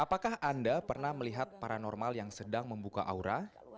apakah anda pernah melihat paranormal yang sedang membuka aura